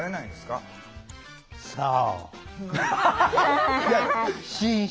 さあ？